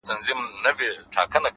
• باغ او باغچه به ستا وي,